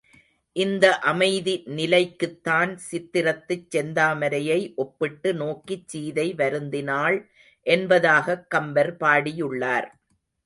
இந்த அமைதி நிலைக்குத்தான் சித்திரத்துச் செந்தாமரையை ஒப்பிட்டு நோக்கிச் சீதை வருந்தினாள் என்பதாகக் கம்பர் பாடியுள்ளார்.